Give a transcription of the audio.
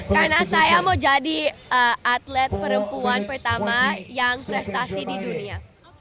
karena saya mau jadi atlet perempuan pertama yang prestasi di dunia